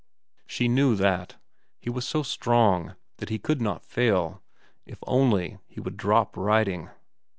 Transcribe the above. She knew that. He was so strong that he could not fail—if only he would drop writing.